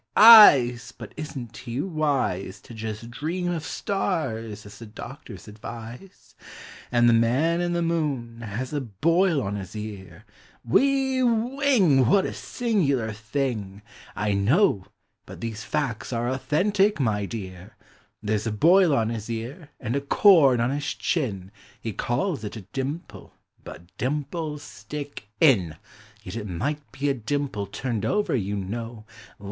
Eyes! But isn't he wise — To jes' dream of stars, as the doctors advise? " And the Man in the Moon has a boil on his ear — Whee! Whing! What a singular thing! FOR CHILDREN. 147 I know ! but those facts are authentic, my dear,— There s a boil on his ear; and a corn on his chiu, — He calls it a dimple,— but dimples stick in,— Yet it might be a dimple turned over, you know!